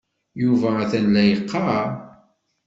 Yuba atan la yeqqar.